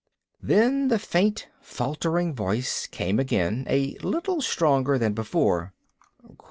Then the faint, faltering voice came again, a little stronger than before.